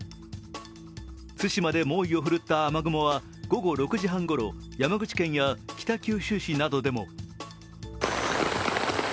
対馬で猛威を振るった雨雲は午後６時半ごろ山口県や北九州市などでも。